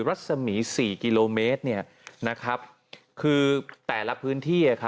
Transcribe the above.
รัศมี๔กิโลเมตรคือแต่ละพื้นที่